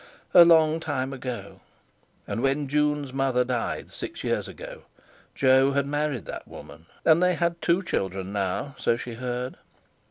A long time ago! And when Jun's mother died, six years ago, Jo had married that woman, and they had two children now, so she had heard.